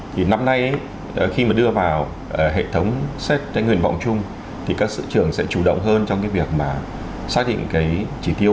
thì năm nay khi mà đưa vào hệ thống xét nguyện vọng chung thì các sở trường sẽ chủ động hơn trong cái việc mà xác định cái chỉ tiêu